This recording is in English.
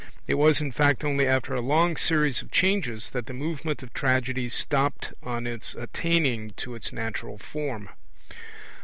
It was in fact only after a long series of changes that the movement of Tragedy stopped on its attaining to its natural form.